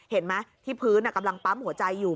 เห็นไหมที่พื้นกำลังปั๊มหัวใจอยู่